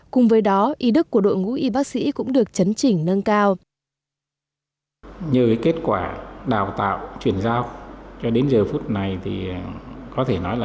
cùng với đó ý đức của đội ngũ y bác sĩ cũng được chấn chỉnh nâng cao